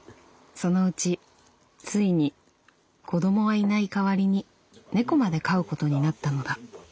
「そのうちついに子供はいない代わりに猫まで飼うことになったのだ」。